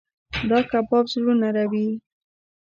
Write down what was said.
دا کباب زړونه رېبي.